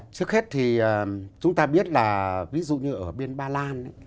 trước hết thì chúng ta biết là ví dụ như ở bên ba lan